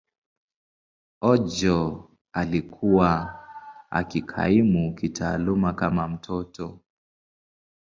Ojo alikuwa akikaimu kitaaluma kama mtoto.